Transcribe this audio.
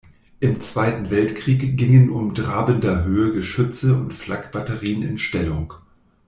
Im Zweiten Weltkrieg gingen um Drabenderhöhe Geschütze und Flak-Batterien in Stellung.